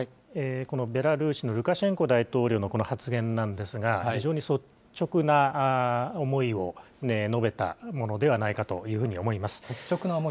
このベラルーシのルカシェンコ大統領のこの発言なんですが、非常に率直な思いを述べたものではないかというふうに思います。